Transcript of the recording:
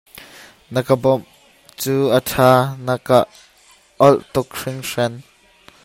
Na ka bawmh cu ka tha na ka olh tuk hringhren .